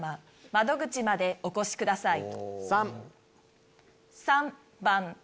窓口までお越しください。